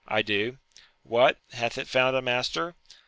— I do. — What ! hath it found a master?